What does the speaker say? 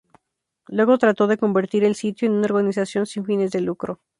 Luego trató de convertir el sitio en una organización sin fines de lucro.